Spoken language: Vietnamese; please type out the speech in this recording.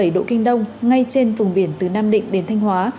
một trăm linh sáu bảy độ kinh đông ngay trên vùng biển từ nam định đến thanh hóa